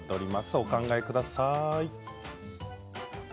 お考えください。